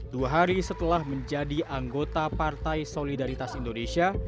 dua hari setelah menjadi anggota partai solidaritas indonesia